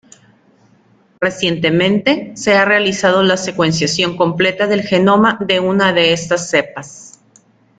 Recientemente, se ha realizado la secuenciación completa del genoma de una de estas cepas.